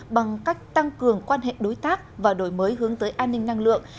bằng cách tăng cường quan hệ đối tác và đổi mới hướng tới an ninh năng lượng